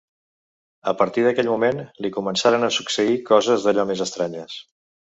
A partir d’aquell moment, li començaran a succeir coses d’allò més estranyes.